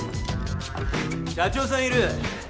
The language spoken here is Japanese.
社長さんいる？